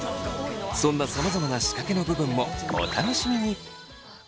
そんなさまざまな仕掛けの部分もお楽しみに。